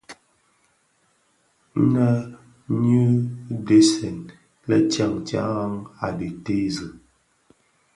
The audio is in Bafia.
Nnë nyi dhesen le tyantyaran a dhi tèèzi.